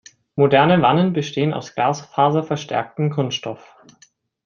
Moderne Wannen bestehen aus glasfaserverstärktem Kunststoff.